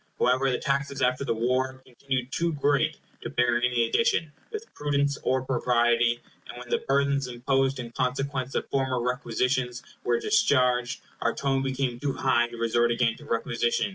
However, the taxes after the war continued too great to bear any addition, with prudence or propriety; and when the burthens imposed in consequence of former requisitions were discharged, our tone became too high to resort again to requisition.